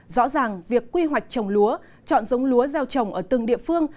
rõ ràng việc quy hoạch trồng lúa chọn giống lúa gieo trồng ở từng địa phương